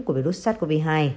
của virus sars cov hai